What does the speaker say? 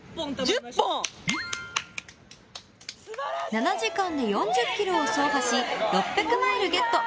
７時間で４０ｋｍを走破し６００マイルゲット。